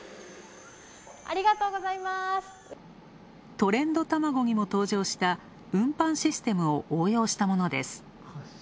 トレンドたまごにも登場した、運搬システムを応用したものです。